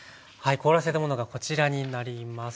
凍らせたものがこちらになります。